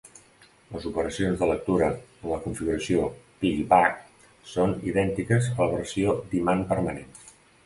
Les operacions de lectura en la configuració "piggyback" són idèntiques a la versió d'imant permanent.